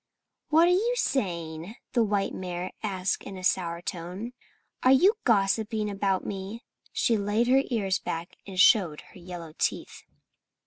"What are you saying?" the white mare asked in a sour tone. "Are you gossiping about me?" She laid her ears back and showed her yellow teeth.